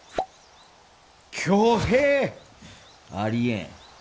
挙兵！？ありえん。